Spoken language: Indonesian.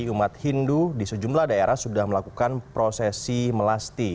umat hindu di sejumlah daerah sudah melakukan prosesi melasti